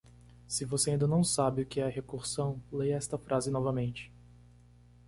Se você ainda não sabe o que é a recursão?, leia esta frase novamente.